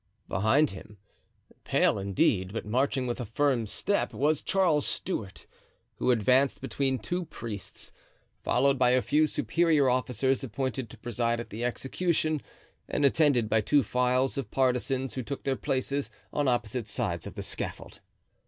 Behind him, pale indeed, but marching with a firm step, was Charles Stuart, who advanced between two priests, followed by a few superior officers appointed to preside at the execution and attended by two files of partisans who took their places on opposite sides of the scaffold.